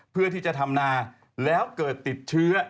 เพื่อที่จะทำนาแล้วเกิดติดเชื้อ